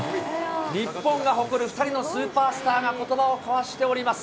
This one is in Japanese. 日本が誇る２人のスーパースターがことばを交わしております。